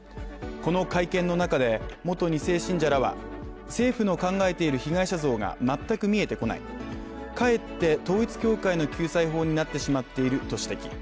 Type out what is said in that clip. この会見の中で元２世信者らは政府の考えている被害者像が全く見えてこないかえって統一教会の救済法になってしまっていると指摘。